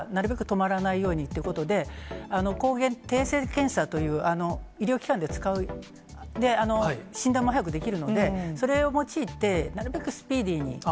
止まらないようにということで、抗原定性検査という、医療機関で使う、診断も早くできるので、それを用いて、ＰＣＲではなくて？